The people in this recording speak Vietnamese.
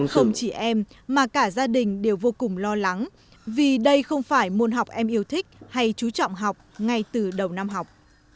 không chỉ em mà cả gia đình đều vô cùng lo lắng vì đây không phải môn học em yêu thích hay chú trọng học ngay từ đầu năm học